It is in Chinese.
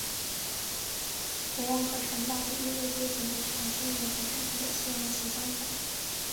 国王和城堡的易位规则和条件也和正统的西洋棋相同。